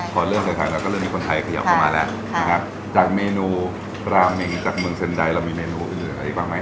ขอเลื่อนเลยค่ะแล้วก็เริ่มมีคนไทยเขยับมาแล้วค่ะนะครับจากเมนูรามินจากเมืองเซ็นไดยเรามีเมนูอื่นอะไรอีกบ้างไหม